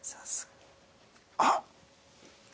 あっ！